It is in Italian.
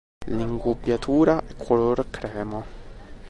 L'ingubbiatura è color crema.